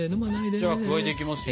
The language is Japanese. じゃあ加えていきますよ。